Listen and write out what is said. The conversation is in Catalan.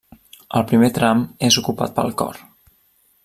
El primer tram és ocupat pel cor.